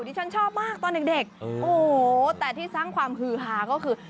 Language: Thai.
ที่ฉันชอบมากตอนเด็กโอ้โหแต่ที่สร้างความฮือฮาก็คือ